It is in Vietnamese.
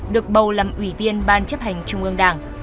được bầu làm ủy viên ban chấp hành trung ương đảng